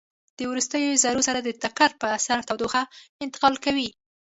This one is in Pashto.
د وروستیو ذرو سره د ټکر په اثر تودوخه انتقال کوي.